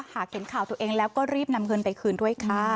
เห็นข่าวตัวเองแล้วก็รีบนำเงินไปคืนด้วยค่ะ